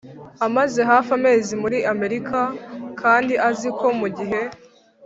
amaze hafi amezi muri Amerika kandi azi ko mu gihe